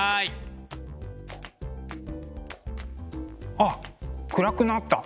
あっ暗くなった。